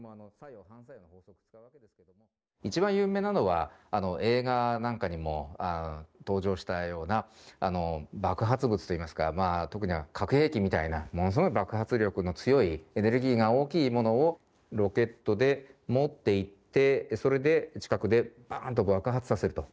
一番有名なのは映画なんかにも登場したような爆発物といいますか特に核兵器みたいなものすごい爆発力の強いエネルギーが大きいものをロケットで持っていってそれで近くでバンと爆発させると。